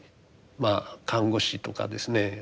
まあ看護師とかですね